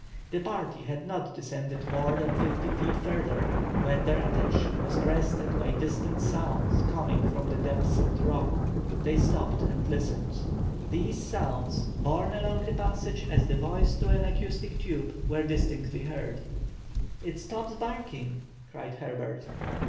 The party had not descended more than fifty feet further, when their attention was arrested by distant sounds coming from the depths of the rock. They stopped and listened. These sounds, borne along the passage, as the voice through an acoustic tube, were distinctly heard. "Its Top's barking!" cried Herbert.